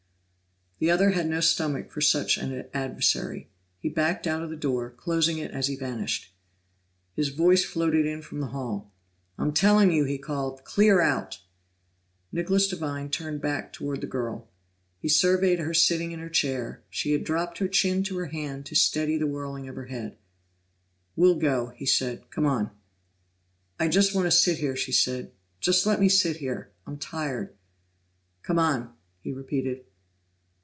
The other had no stomach for such an adversary. He backed out of the door, closing it as he vanished. His voice floated in from the hall. "I'm telling you!" he called. "Clear out!" Nicholas Devine turned back toward the girl. He surveyed her sitting in her chair; she had dropped her chin to her hand to steady the whirling of her head. "We'll go," he said. "Come on." "I just want to sit here," she said. "Just let me sit here. I'm tired." "Come on," he repeated.